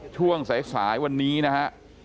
ช่วงสายวันนี้นะฮะ